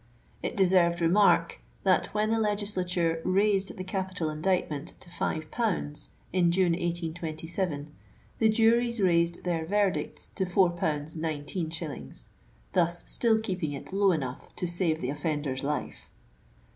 It deserved re mark, that when the legislature raised the capital indictment to five pounds, in June, 1827, the juries raised their verdicts to four pounds, nineteen shillings, thus still keeping it low enough to save the offender's life."